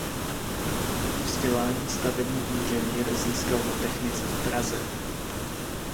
Vzdělání stavební inženýr získal na technice v Praze.